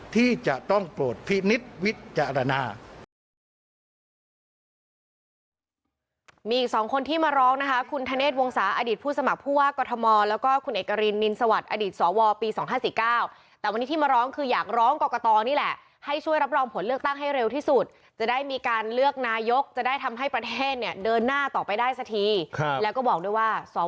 ที่จะต้องโปรดพินิษฐ์วิจารณญาณ